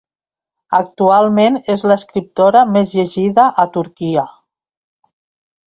Actualment és l'escriptora més llegida a Turquia.